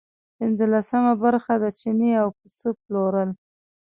پنځلسمه برخه د چیني او پسه پلورل.